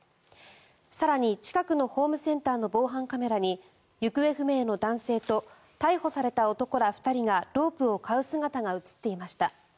更に、近くのホームセンターの防犯カメラに行方不明の男性と逮捕された男ら２人がロープを買う姿が映っていました。